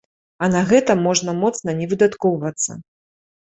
А на гэта можна моцна не выдаткоўвацца.